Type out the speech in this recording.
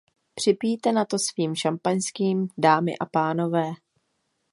Připijte na to svým šampaňským, dámy a pánové.